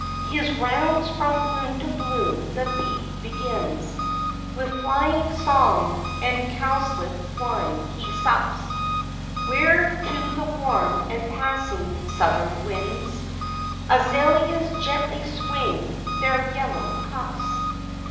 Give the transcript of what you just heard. His rounds from bloom to bloom the bee begins With flying song, and cowslip wine he sups, Where to the warm and passing southern winds, Azaleas gently swing their yellow cups.